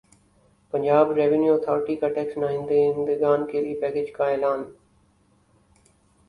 Punjab revenue authority کا tax نادہندگان کیلئے پیکج کا اعلان